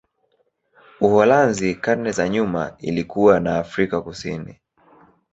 Uholanzi karne za nyuma ilikuwa na Afrika Kusini.